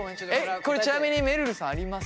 これちなみにめるるさんあります？